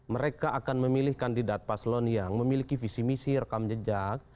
mereka akan memilih kandidat paslon yang memiliki visi misi rekam jejak